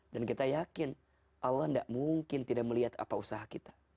dan kita yakin allah tidak mungkin tidak melihat apa usaha kita